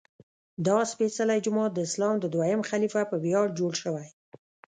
دا سپېڅلی جومات د اسلام د دویم خلیفه په ویاړ جوړ شوی.